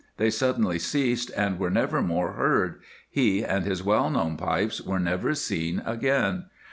They suddenly ceased, and were never more heard. He and his well known pipes were never seen again.